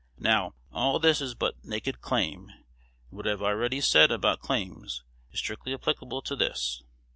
Now, all this is but naked claim; and what I have already said about claims is strictly applicable to this.